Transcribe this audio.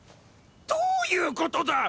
どういうことだ！